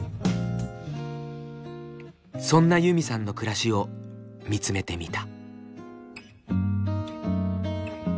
そんなユミさんの暮らしを見つめてみた。